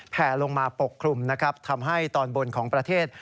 แผลลงมาปกคลุมนะครับทำให้ตอนบนของประเทศ